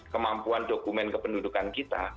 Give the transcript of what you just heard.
kemampuan dokumen kependudukan kita